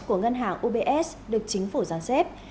của ngân hàng ubs được chính phủ gián xếp